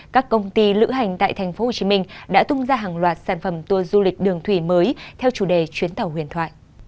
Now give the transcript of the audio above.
các công ty lữ hành tại tp hcm đã tung ra hàng loạt sản phẩm tour du lịch đường thủy mới theo chủ đề chuyến tàu huyền thoại